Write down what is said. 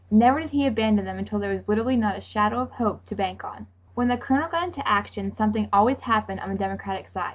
Never did he abandon them until there was literally not a shadow of hope to bank on. When the Colonel got into action something always happened on the Democratic side.